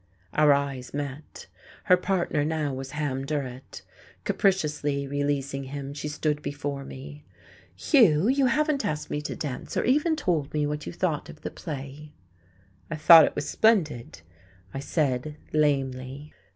Our eyes met. Her partner now was Ham Durrett. Capriciously releasing him, she stood before me, "Hugh, you haven't asked me to dance, or even told me what you thought of the play." "I thought it was splendid," I said lamely.